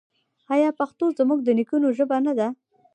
آیا پښتو زموږ د نیکونو ژبه نه ده؟